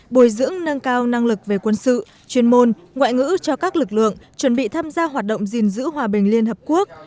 bồi dưỡng nâng cao năng lực về quân sự chuyên môn ngoại ngữ cho các lực lượng chuẩn bị tham gia hoạt động gìn giữ hòa bình liên hợp quốc